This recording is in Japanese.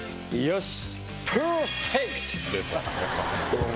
よし！